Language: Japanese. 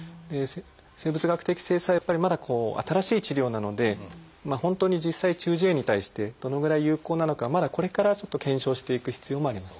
生物学的製剤はやっぱりまだこう新しい治療なので本当に実際中耳炎に対してどのぐらい有効なのかまだこれからちょっと検証していく必要もあります。